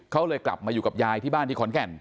เขาเลยกลับมาอยู่กับยายที่บ้านที่ขอนแก่น